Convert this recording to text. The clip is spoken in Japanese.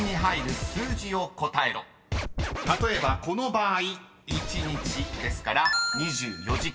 ［例えばこの場合１日ですから２４時間］